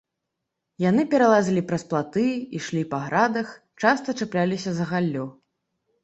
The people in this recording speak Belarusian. Яны пералазілі праз платы, ішлі па градах, часта чапляліся за галлё.